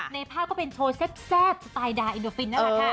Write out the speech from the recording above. ในภาพก็เป็นโชว์แซ่บสไตล์ดาอินเตอร์ฟินนะฮะ